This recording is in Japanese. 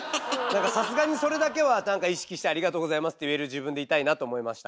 さすがにそれだけは意識して「ありがとうございます」って言える自分でいたいなと思いました。